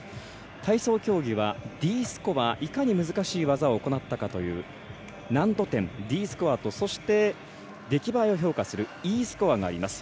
体操競技は、Ｄスコアいかに難しい技を行ったかという難度点Ｄスコアと出来栄えを評価するＥスコアがあります。